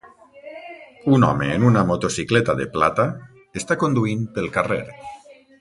Un home en una motocicleta de plata està conduint pel carrer.